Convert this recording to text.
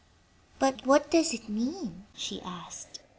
But what does it mean?" she asked.